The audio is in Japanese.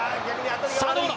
さあどうだ？